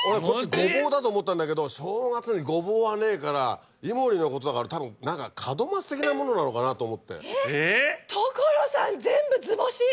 ごぼうだと思ったんだけど正月にごぼうはねえから井森のことだからたぶん何か門松的なものなのかなと思って。